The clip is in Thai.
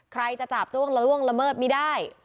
ใครจะจาบจ้วงละล่วงละเมิดไม่ได้